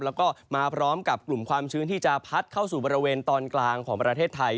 แล้วก็มาพร้อมกับกลุ่มความชื้นที่จะพัดเข้าสู่บริเวณตอนกลางของประเทศไทย